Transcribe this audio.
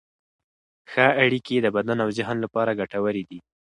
ښه اړیکې د بدن او ذهن لپاره ګټورې دي.